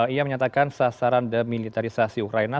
ia menyatakan sasaran demilitarisasi ukraina